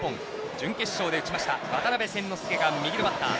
準決勝で打ちました渡邉千之亮が右のバッター。